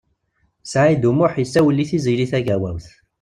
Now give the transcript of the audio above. Saɛid U Muḥ yessawel i Tiziri Tagawawt.